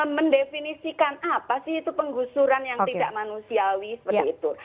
mendefinisikan apa sih itu penggusuran yang tidak manusiawi seperti itu